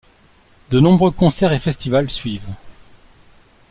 De nombreux concerts et festivals suivent.